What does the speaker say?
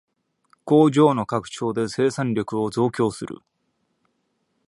工場の拡張で生産力を増強する